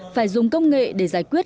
phải dùng công nghệ để giải quyết